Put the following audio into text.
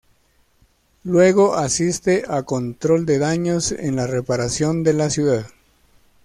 Luego asiste a Control de Daños en la reparación de la ciudad.